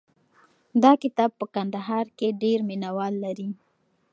دا کتاب په کندهار کې ډېر مینه وال لري.